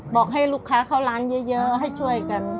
บอกให้ลูกค้าเข้าร้านเยอะให้ช่วยกัน